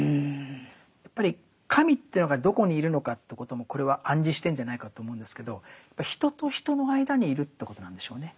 やっぱり神というのがどこにいるのかということもこれは暗示してるんじゃないかと思うんですけどやっぱ人と人の間にいるということなんでしょうね。